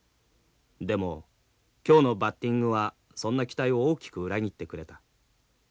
でも今日のバッティングはそんな期待を大きく裏切ってくれた。